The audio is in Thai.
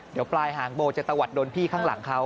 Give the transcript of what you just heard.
เดี๋ยวปลายหางโบจะตะวัดโดนพี่ข้างหลังเขา